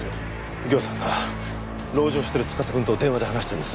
右京さんが籠城してる司くんと電話で話したんです。